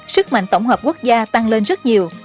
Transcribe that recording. sức mạnh tổng hợp quốc gia tăng lên rất nhiều